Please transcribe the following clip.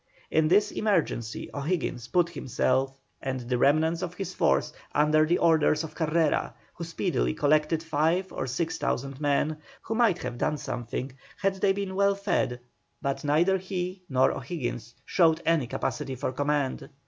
In this emergency O'Higgins put himself and the remnants of his force under the orders of Carrera, who speedily collected five or six thousand men, who might have done something had they been well led, but neither he nor O'Higgins showed any capacity for command.